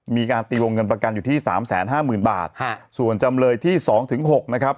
มีการตีวงเงินประกันอยู่ที่๓๕๐๐๐๐บาทส่วนจำเลยที่๒ถึง๖นะครับ